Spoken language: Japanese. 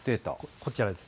こちらです。